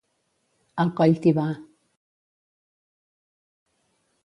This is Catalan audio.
El coll t'hi va.